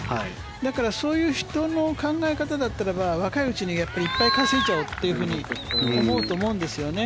だからそういう人の考え方だったら若いうちにいっぱい稼いじゃおうと思うと思うんですよね。